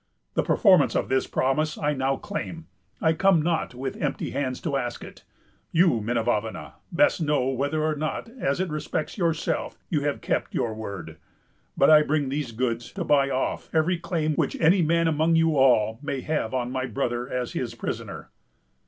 "The performance of this promise I now claim. I come not with empty hands to ask it. You, Minavavana, best know whether or not, as it respects yourself, you have kept your word; but I bring these goods to buy off every claim which any man among you all may have on my brother as his prisoner."